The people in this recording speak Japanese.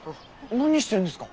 何してるんですか？